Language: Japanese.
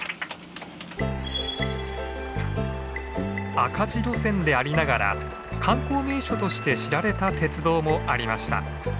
赤字路線でありながら観光名所として知られた鉄道もありました。